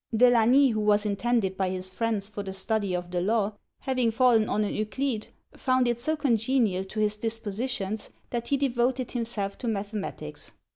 De Lagny, who was intended by his friends for the study of the law, having fallen on an Euclid, found it so congenial to his dispositions, that he devoted himself to mathematics.